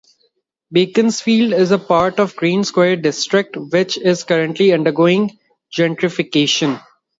Beaconsfield is part of the Green Square district which is currently undergoing gentrification.